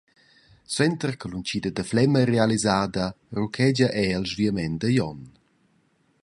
Suenter che l’untgida da Flem ei realisada ruchegia era il sviament da Glion.